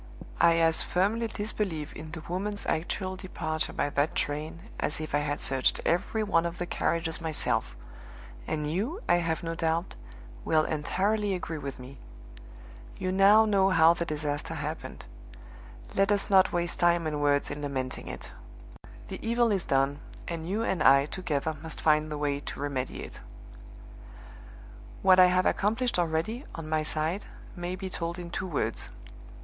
I as firmly disbelieve in the woman's actual departure by that train as if I had searched every one of the carriages myself; and you, I have no doubt, will entirely agree with me. "You now know how the disaster happened. Let us not waste time and words in lamenting it. The evil is done, and you and I together must find the way to remedy it. "What I have accomplished already, on my side, may be told in two words.